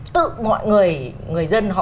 tự mọi người người dân họ